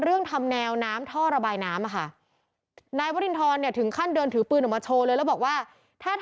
เขาบอกว่า